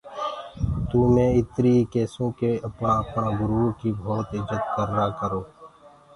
تو مي اِتر ئي ڪيسونٚ ڪي اپڻآ اپڻآ گُرئو ڪي ڀوت اِجت ڪررآ ڪرو۔